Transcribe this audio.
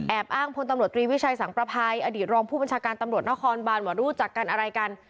อ้างพลตำรวจตรีวิชัยสังประภัยอดีตรองผู้บัญชาการตำรวจนครบานว่ารู้จักกันอะไรกัน